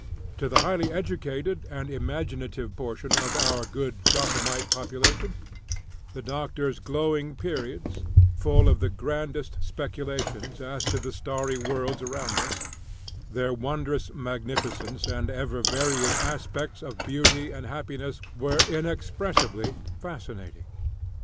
To the highly educated and imaginative portion of our good Gothamite population, the Doctor's glowing periods, full of the grandest speculations as to the starry worlds around us, their wondrous magnificence and ever varying aspects of beauty and happiness were inexpressibly fascinating.